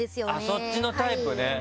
そっちのタイプね。